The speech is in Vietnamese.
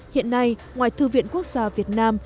hiện nay ngoài thư viện quốc gia việt nam